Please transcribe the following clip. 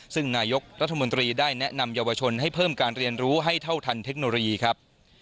ซึ่งนายกรัฐมนตรีได้แนะนำเยาวชนให้เพิ่มการเรียนรู้ให้เท่าทันเทคโนโลยีครับ